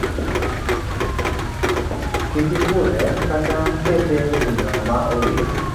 Kik ikudhe kata kete e gino ma owir.